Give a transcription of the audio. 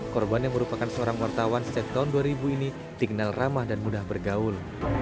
korban yang merupakan seorang wartawan sejak tahun dua ribu ini dikenal ramah dan mudah bergaul